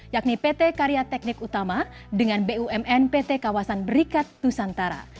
yakni pt karya teknik utama dengan bumn pt kawasan berikat nusantara